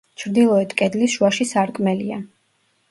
ჩრდილოეთ კედლის შუაში სარკმელია.